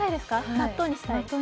納豆にしたい。